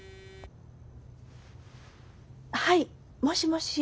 はいもしもし。